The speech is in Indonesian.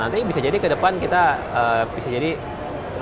nanti bisa jadi ke depan kita bisa jadi membayar sesuatu di resep